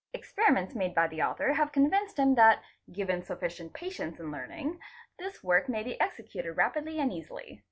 Experiments made by the author have convinced him that, given sufficient patience in learning, this work may be executed rapidly and easily.